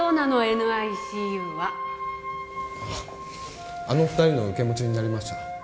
ＮＩＣＵはあの二人の受け持ちになりました